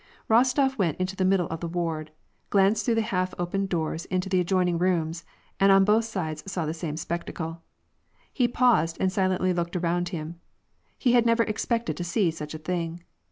Kostof went into the middle of the ward, glanced through the half open doors into the adjoining rooms, and on both sides saw the same spectacle. He paused and silently looked around him. He had never expected to see such a thing.